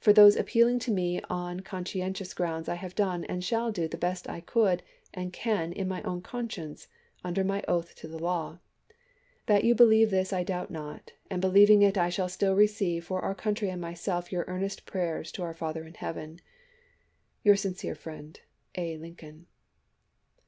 For those appealing to me on conscientious grounds, I have done, and shall do, the best I could and can, in my own conscience, under my oath to the law. That you believe this I doubt not, and believing it I shall still receive for our country and myself your earnest prayers to our Father in heaven, Lincoln to Your sincere friend, Gurney A. Lincoln.